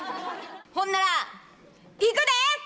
ほんならいくで！